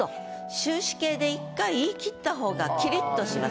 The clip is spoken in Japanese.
終止形で１回言い切った方がキリッとします。